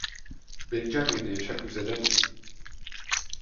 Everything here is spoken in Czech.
Benjamin je však už zadaný.